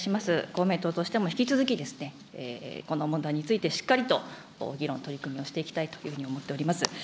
公明党としても引き続き、この問題についてしっかりと議論、取り組みをしていきたいというふうに思っております。